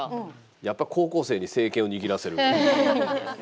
やっぱり「高校生に政権を握らせる」という。